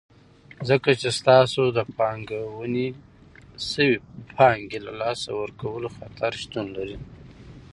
ځکه چې ستاسو د پانګونې شوي پانګې له لاسه ورکولو خطر شتون لري.